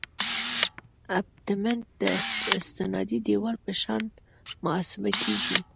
ابټمنټ د استنادي دیوال په شان محاسبه کیږي